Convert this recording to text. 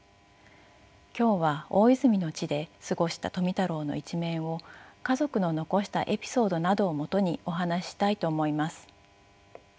今日は大泉の地で過ごした富太郎の一面を家族の残したエピソードなどをもとにお話ししたいと思います。